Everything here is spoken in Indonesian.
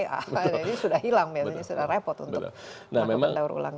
jadi sudah hilang sudah repot untuk menganggap daur ulang